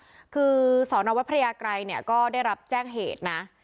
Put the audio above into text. คือสอนอวัดพระยากรัยเนี่ยก็ได้รับแจ้งเหตุนะ